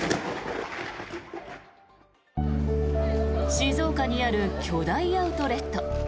静岡にある巨大アウトレット。